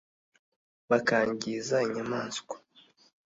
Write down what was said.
bakangiza inyamaswa